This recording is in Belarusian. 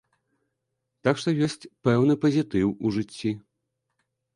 Так што ёсць пэўны пазітыў у жыцці.